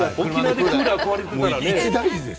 一大事です。